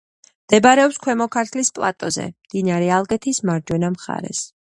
მდებარეობს ქვემო ქართლის პლატოზე, მდინარე ალგეთის მარჯვენა მხარეს.